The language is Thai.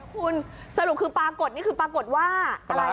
คุณสรุปคือปรากฎนี่คือปรากฎว่า